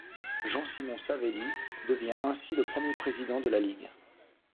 Jean-Simon Savelli devient ainsi le premier président de la ligue.